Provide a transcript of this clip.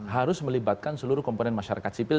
harus melibatkan seluruh komponen masyarakat sipil